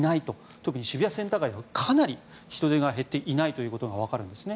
特に渋谷センター街はかなり人出が減っていないことがわかるんですね。